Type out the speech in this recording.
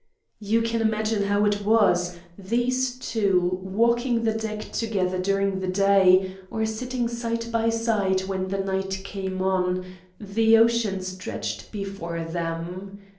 You can imagine how it was, these two walking the deck together during the day, or sitting side by side when the night came on, the ocean stretched before them.